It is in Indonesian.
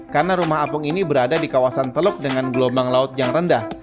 karena rumah apung ini berada di kawasan teluk dengan gelombang laut yang rendah